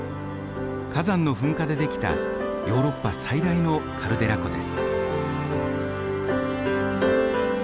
火山の噴火で出来たヨーロッパ最大のカルデラ湖です。